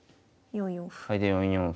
４四歩。